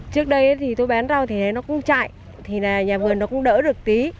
trước đây thì tôi bán rau thì nó cũng chạy thì nhà vườn nó cũng đỡ được tí